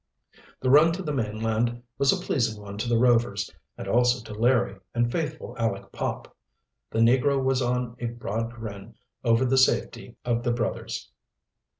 The run to the mainland was a pleasing one to the Rovers, and also to Larry and faithful Aleck Pop. The negro was on a broad grin over the safety of the brothers.